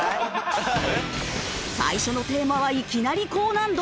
最初のテーマはいきなり高難度。